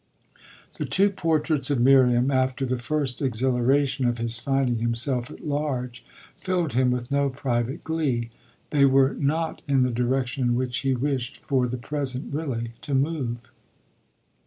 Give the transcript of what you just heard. The two portraits of Miriam, after the first exhilaration of his finding himself at large, filled him with no private glee; they were not in the direction in which he wished for the present really to move.